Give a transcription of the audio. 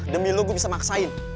demi lo gue bisa maksain